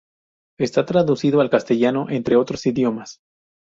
Está traducido al castellano entre otros idiomas.